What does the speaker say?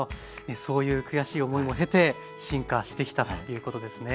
そういう悔しい思いも経て進化してきたということですね。